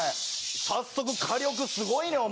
早速火力すごいね、お前。